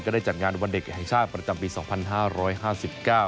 ได้จัดงานวันเด็กแห่งชาติประจำปีสองพันห้าร้อยห้าสิบเก้า